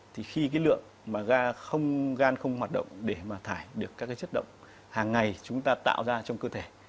thì khi cái lượng mà gan không hoạt động để mà thải được các chất độc hàng ngày chúng ta tạo ra trong cơ thể